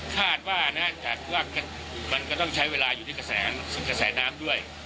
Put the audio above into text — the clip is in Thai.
คาดว่ามันก็ต้องใช้เวลาอยู่ที่กระแสน้ำด้วย